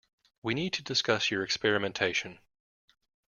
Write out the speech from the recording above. We need to discuss your experimentation.